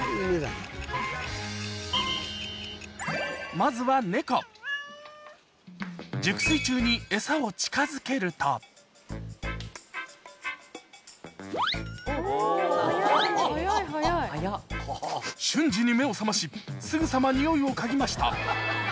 まずは熟睡中に餌を近づけると瞬時に目を覚ましすぐさまにおいを嗅ぎました